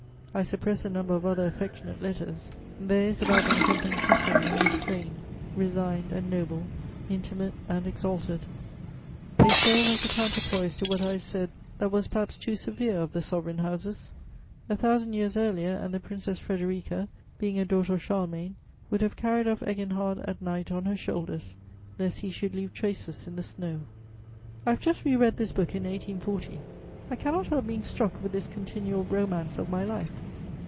I suppress a number of other affectionate letters: there is about them something suffering and restrained, resigned and noble, intimate and exalted; they serve as a counterpoise to what I have said that was perhaps too severe of the Sovereign Houses. A thousand years earlier, and the Princess Frederica, being a daughter of Charlemagne, would have carried off Eginhard at night on her shoulders, lest he should leave traces in the snow. I have just re read this book in 1840: I cannot help being struck with this continual romance of my life.